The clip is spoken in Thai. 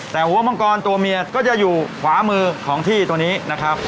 แต่หัวมังกรตัวเมียก็จะอยู่ขวามือของที่ตัวนี้นะครับ